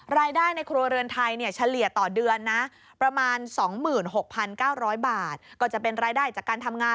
รายได้ในครัวเรือนไทยเนี่ยเฉลี่ยต่อเดือนนะ